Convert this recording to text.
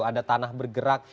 ada tanah bergerak